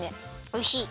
おいしい！